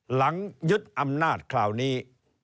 หลังยึดอำนาจคราวนี้